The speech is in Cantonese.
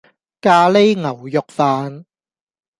咖哩牛肉飯